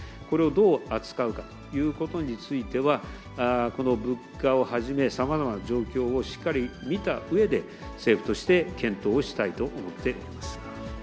これをどう扱うかということについては、物価をはじめ、さまざまな状況をしっかり見たうえで、政府として検討をしたいと思っております。